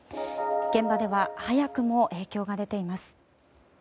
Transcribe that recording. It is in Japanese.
現場では早くも影響が出ています。